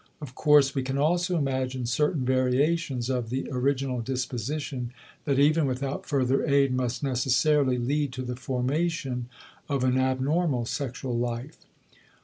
Of course, we can also imagine certain variations of the original disposition that even without further aid must necessarily lead to the formation of an abnormal sexual life.